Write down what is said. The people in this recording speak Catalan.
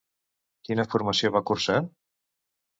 Quina formació va cursar?